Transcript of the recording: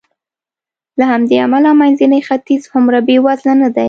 له همدې امله منځنی ختیځ هومره بېوزله نه دی.